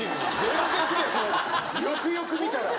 よくよく見たら。